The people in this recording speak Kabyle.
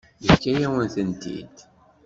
Yefka-yawen-tent-id.